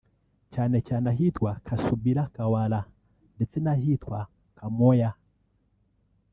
cyane cyane ahitwa “Kasubi-Kawaala” ndetse n’ahitwa “Kamwokya”